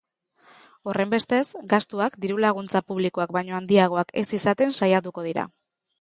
Horrenbestez, gastuak diru-laguntza publikoak baino handiagoak ez izaten saiatuko dira.